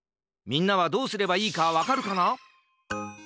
みんなはどうすればいいかわかるかな？